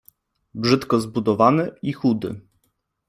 brzydko zbudowany i chudy.